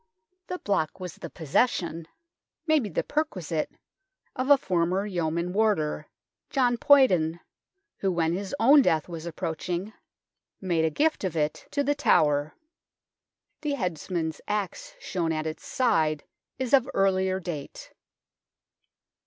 The block was the possession maybe the perquisite of a former yeoman warder, John Poyndon, who when his own death was approaching made a gift of it to 42 THE TOWER OF LONDON The Tower. The headsman's axe shown at its side is of earlier date.